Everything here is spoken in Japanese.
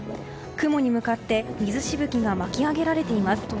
雲に向かって水しぶきがまき上げられています。